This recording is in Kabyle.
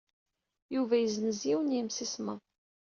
Yuba yessenz yiwen n yemsismeḍ.